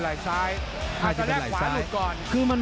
ปัจจุงหลายซ้าย